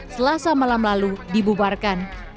selasa malam lalu dibubarkan